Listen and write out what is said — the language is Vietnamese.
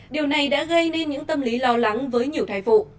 điều này đã gây nên những tâm lý lo lắng với nhiều thai phụ